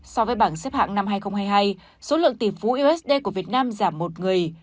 so với bảng xếp hạng năm hai nghìn hai mươi hai số lượng tỷ phú usd của việt nam giảm một người